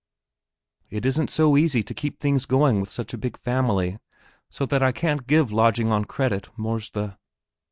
"It isn't so easy to keep things going with such a big family, so that I can't give lodging on credit, more's the...."